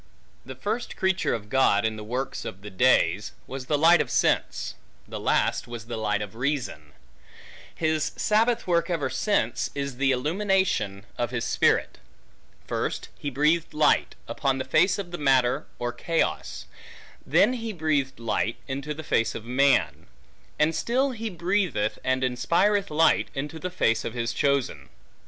The first creature of God, in the works of the days, was the light of the sense; the last, was the light of reason; and his sabbath work ever since, is the illumination of his Spirit. First he breathed light, upon the face of the matter or chaos; then he breathed light, into the face of man; and still he breatheth and inspireth light, into the face of his chosen.